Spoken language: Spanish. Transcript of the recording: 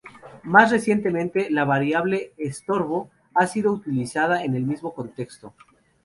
Más recientemente, la variable "estorbo" ha sido utilizada en el mismo contexto.